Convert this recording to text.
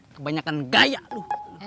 kebanyakan gaya lo